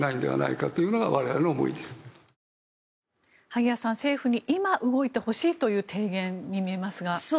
萩谷さん、政府に今、動いてほしいという提言に見えますが。